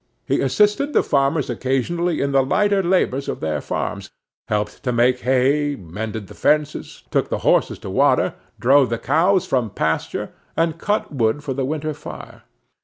He assisted the farmers occasionally in the lighter labors of their farms, helped to make hay, mended the fences, took the horses to water, drove the cows from pasture, and cut wood for the winter fire.